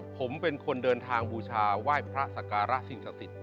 ผมเป็นคนเดินทางบูชาไหว้พระสการะสิ่งศักดิ์สิทธิ